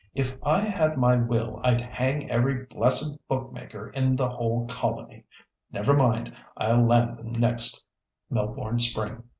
If I had my will I'd hang every blessed bookmaker in the whole colony. Never mind, I'll land them next Melbourne Spring."